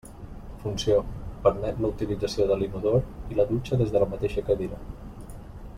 Funció: permet la utilització de l'inodor i la dutxa des de la mateixa cadira.